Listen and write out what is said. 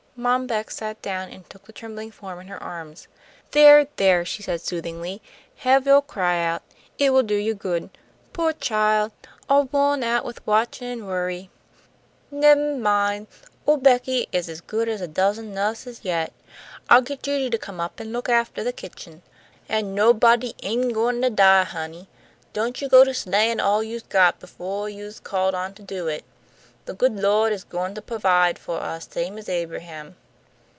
Mom Beck sat down, and took the trembling form in her arms. "There, there!" she said, soothingly, "have yo' cry out. It will do you good. Poah chile! all wo'n out with watchin' an' worry. Ne'm min', ole Becky is as good as a dozen nuhses yet. I'll get Judy to come up an' look aftah the kitchen. An' nobody ain' gwine to die, honey. Don't you go to slayin' all you's got befo' you's called on to do it. The good Lawd is goin' to pahvide fo' us same as Abraham."